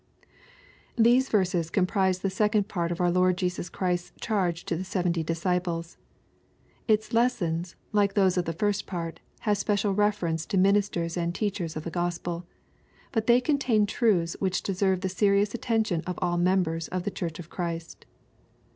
These verses comprise the second part of our Lord Jesus Christ's charge to the seventy disciples. Its lessons, like those of the first part, have a special reference to min isters and teachers of the Gospel. But they contain truths T^hich deserve the serious attention of all members of the Church of Christ.